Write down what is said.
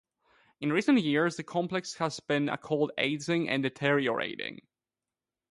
In recent years, the complex has been called aging and deteriorating.